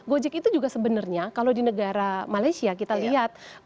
gojek itu juga sebenarnya kalau di negara malaysia kita lihat